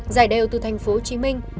giải đeo từ thành phố hồ chí minh